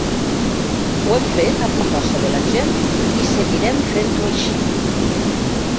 Ho hem fet amb la força de la gent i seguirem fent-ho així.